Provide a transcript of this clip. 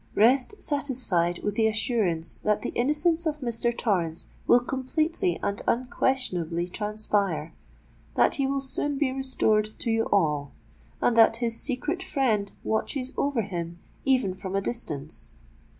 Rest satisfied with the assurance that the innocence of Mr. Torrens will completely and unquestionably transpire—that he will soon be restored to you all—and that his secret friend watches over him even from a distance.